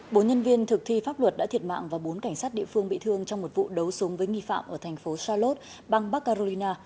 bốn nhân viên thực thi pháp luật đã thiệt mạng và bốn cảnh sát địa phương bị thương trong một vụ đấu súng với nghi phạm ở thành phố charlot bang baccarolina